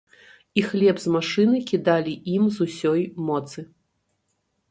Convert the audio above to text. І хлеб з машыны кідалі ім з усёй моцы.